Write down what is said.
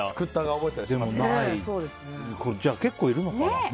じゃあ、結構いるのかな。